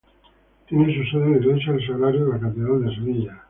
Tiene su sede en la iglesia del Sagrario de la catedral de Sevilla.